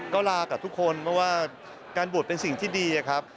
ก็ลากับทุกคนเพราะว่าการบวชเป็นสิ่งที่ดีอะครับ